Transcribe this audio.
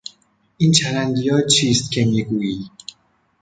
این چرندیات چیست که میگویی؟